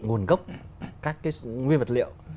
nguồn gốc các cái nguyên vật liệu